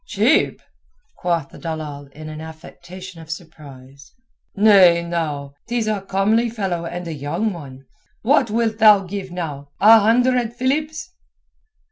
"Cheap?" quoth the dalal in an affectation of surprise. "Nay, now. 'Tis a comely fellow and a young one. What wilt thou give, now? a hundred philips?"